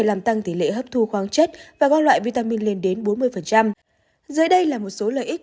làm tăng tỷ lệ hấp thu khoáng chất và gom loại vitamin lên đến bốn mươi dưới đây là một số lợi ích